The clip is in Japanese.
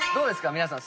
皆さん。